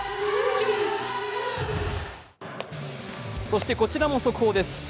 そしてこちらも速報です。